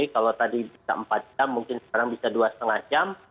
kalau tadi bisa empat jam mungkin sekarang bisa dua lima jam